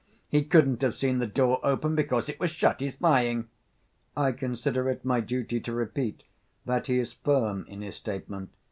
He couldn't have seen the door open because it was shut. He's lying!" "I consider it my duty to repeat that he is firm in his statement.